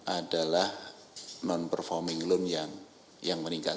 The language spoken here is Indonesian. adalah non performing loan yang meningkat